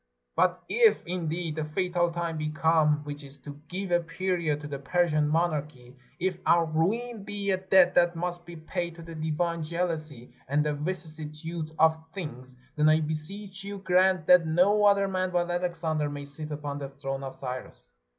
But if, indeed, the fatal time be come, which is to give a period to the Persian monarchy, if our ruin be a debt that must be paid to the divine jealousy and the vicissitude of things, then I beseech you grant that no other man but Alexander may sit upon the throne of Cyrus."